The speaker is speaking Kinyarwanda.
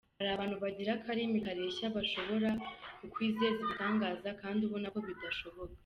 Hari abantu bagira akarimi kareshya bashobora kukwizeza ibitangaza kandi ubona ko bidashoboka.